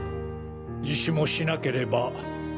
自首もしなければ。